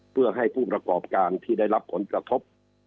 เพื่อให้ผู้ประกอบการที่ได้รับผลกระทบ